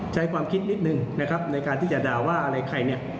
ใช้ความคิดนิดนึงในการที่จะด่าว่าอะไรใคร